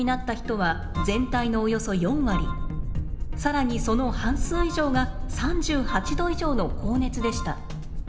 更にその半数以上が３８度以上の高熱でした。